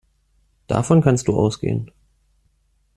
Davon kannst du ausgehen.